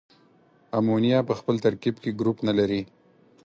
امونیا په خپل ترکیب کې ګروپ نلري.